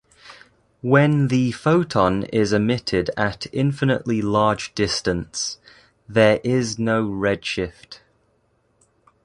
When the photon is emitted at an infinitely large distance, there is no redshift.